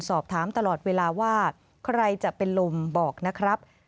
สอบถามตลอดเวลาว่าใครจะเป็นลมบอกนะครับ